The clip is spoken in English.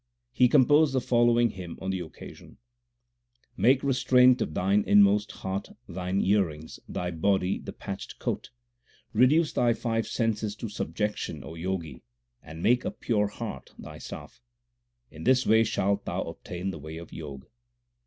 He composed the following hymn on the occasion : Make restraint of thine inmost heart thine earrings, thy body the patched coat ; Reduce thy five senses to subjection, O Jogi, and make a pure heart thy staff. In this way shalt thou obtain the way of jog.